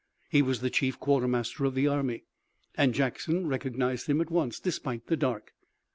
He was the chief quartermaster of the army, and Jackson recognized him at once, despite the dark.